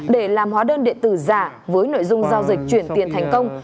để làm hóa đơn điện tử giả với nội dung giao dịch chuyển tiền thành công